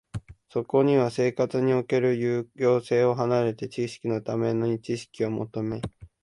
そこには生活における有用性を離れて、知識のために知識を求め、